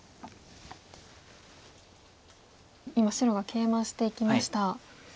今白がケイマしていきました。